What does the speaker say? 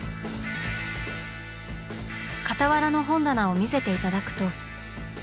傍らの本棚を見せて頂くと。